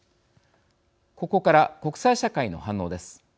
ここから、国際社会の反応です。